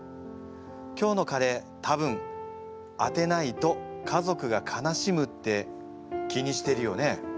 今日のカレー多分当てないと家族が悲しむって気にしてるよね。